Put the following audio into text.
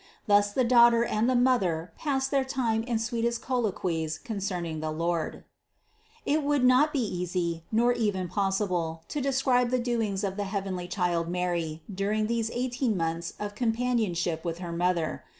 Thus the Daughter and the mother passed their time in sweetest colloquies concerning the Lord. 399. It would not be easy, nor even possible, to de scribe the doings of the heavenly child Mary during these eighteen months of companionship with her mother.